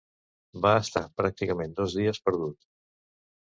Va estar pràcticament dos dies perdut.